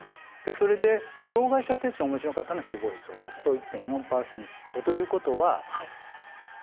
それで障害者手帳お持ちの方の死亡率を出すと１．４％ということは怖いですよね